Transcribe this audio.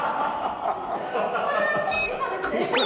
ハハハハハ！